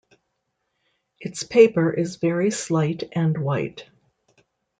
Its paper is very slight and white.